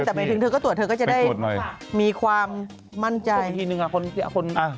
แต่เมื่อถึงเธอก็ตรวจเธอก็จะได้มีความมั่นใจ